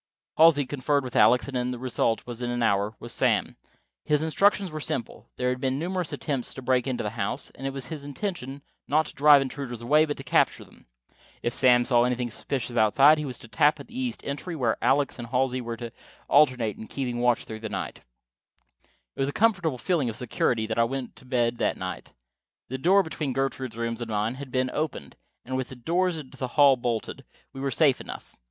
Halsey conferred with Alex, and the result, in an hour, was Sam. His instructions were simple. There had been numerous attempts to break into the house; it was the intention, not to drive intruders away, but to capture them. If Sam saw anything suspicious outside, he was to tap at the east entry, where Alex and Halsey were to alternate in keeping watch through the night. It was with a comfortable feeling of security that I went to bed that night. The door between Gertrude's rooms and mine had been opened, and, with the doors into the hall bolted, we were safe enough.